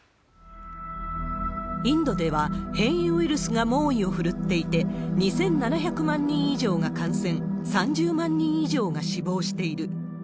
インドでは変異ウイルスが猛威を振るっていて、２７００万人以上が感染、３０万人以上が死亡している。